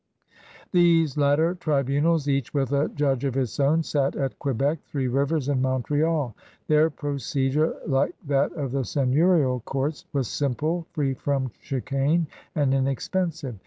These latter tribunals, each with a judge of its own, sat at Quebec, Three Rivers, and Montreal. Their procedure, like that of the seigneurial courts, was simple, free from chicane, and inexpensive.